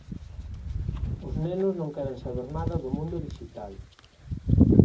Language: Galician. Os nenos non queren saber nada do mundo dixital.